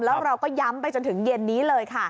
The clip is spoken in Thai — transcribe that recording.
แล้วเราก็ย้ำไปจนถึงเย็นนี้เลยค่ะ